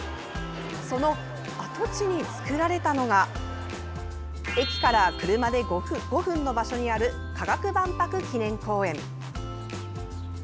その跡地に作られたのが駅から車で５分の場所にある科学万博記念公園。